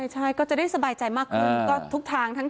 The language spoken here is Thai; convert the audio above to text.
ใช่ก็จะได้สบายใจมากขึ้นก็ทุกทาง